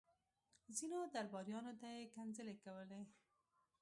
ځينو درباريانو ته يې کنځلې کولې.